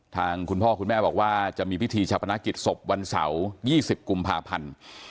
คุณพ่อคุณแม่บอกว่าจะมีพิธีชาปนกิจศพวันเสาร์๒๐กุมภาพันธ์